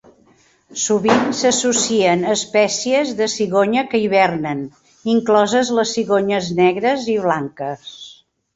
Sovint s'associen a espècies de cigonya que hivernen, incloses les cigonyes negres i blanques.